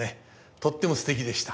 とってもすてきでした。